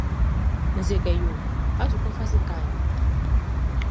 N se kɛ yo a su kɔ fa ɔ sikaʼn?